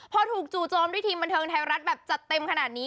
พอถูกจู่โจมด้วยทีมบันเทิงไทยรัฐแบบจัดเต็มขนาดนี้